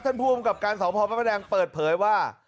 ท่านผู้บังกับการสอบพอพระพระแดงเปิดเผยว่า